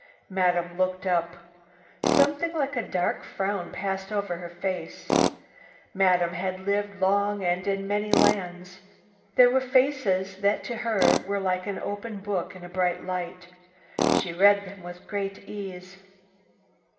Madame looked up. Something like a dark frown passed over her face. Madame had lived long and in many lands. There were faces that to her were like an open book in a bright light. She read them with greatest ease.